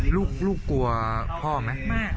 ลูกกลัวพ่อไหม